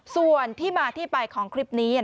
ส่วนที่มาที่ไปของคลิปนี้